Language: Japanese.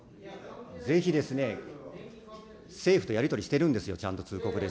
ぜひですね、政府とやり取りしてるんですよ、ちゃんと通告で。